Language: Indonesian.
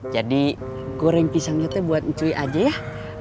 jadi goreng pisangnya teh buat ncuy aja ya